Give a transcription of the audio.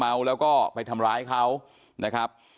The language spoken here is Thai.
เมาแล้วก็ไปทำร้ายเขานะครับ